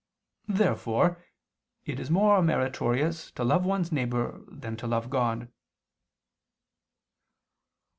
Therefore it is more meritorious to love one's neighbor than to love God.